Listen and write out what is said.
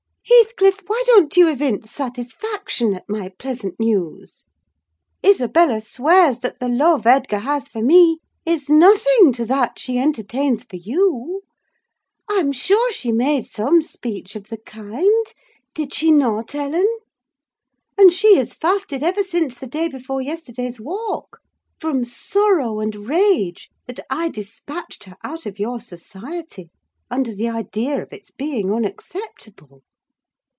Heathcliff, why don't you evince satisfaction at my pleasant news? Isabella swears that the love Edgar has for me is nothing to that she entertains for you. I'm sure she made some speech of the kind; did she not, Ellen? And she has fasted ever since the day before yesterday's walk, from sorrow and rage that I despatched her out of your society under the idea of its being unacceptable."